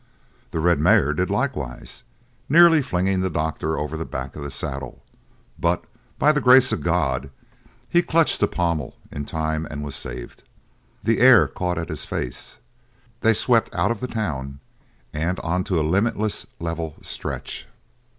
The red mare did likewise, nearly flinging the doctor over the back of the saddle, but by the grace of God he clutched the pommel in time and was saved. The air caught at his face, they swept out of the town and onto a limitless level stretch.